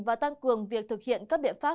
và tăng cường việc thực hiện các biện pháp